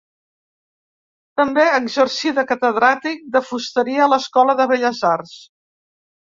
També exercí de catedràtic de fusteria a l'Escola de Belles Arts.